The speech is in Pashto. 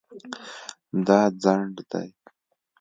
دا ځنډ دی